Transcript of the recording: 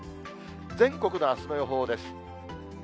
全国のあすの予報です。